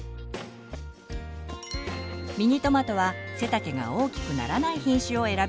ミニトマトは背丈が大きくならない品種を選びましょう。